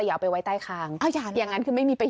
โดนโรงคนไทยใส่หน้ากากอนามัยป้องกันโควิด๑๙กันอีกแล้วค่ะ